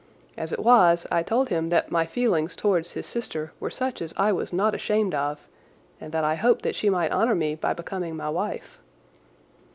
As it was I told him that my feelings towards his sister were such as I was not ashamed of, and that I hoped that she might honour me by becoming my wife.